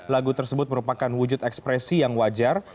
lagu tersebut merupakan wujud ekspresi yang wajar